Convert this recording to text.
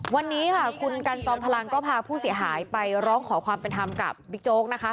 วันนี้ค่ะคุณกันจอมพลังก็พาผู้เสียหายไปร้องขอความเป็นธรรมกับบิ๊กโจ๊กนะคะ